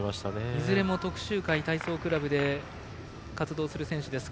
いずれも徳洲会体操クラブで活動する選手です。